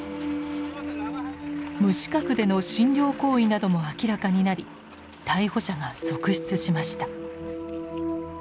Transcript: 無資格での診療行為なども明らかになり逮捕者が続出しました。